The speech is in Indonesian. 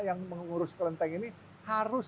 yang mengurus kelenteng ini harus